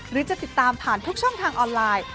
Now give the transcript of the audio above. หรือจะติดตามผ่านทุกช่องทางออนไลน์